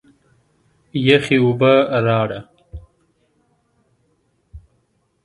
یخي اوبه راړه!